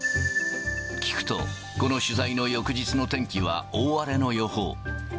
聞くと、この取材の翌日の天気は大荒れの予報。